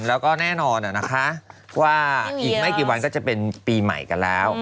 แล้วก็แน่นอนนะคะว่าอีกไม่กี่วันก็จะเป็นปีใหม่กันแล้ว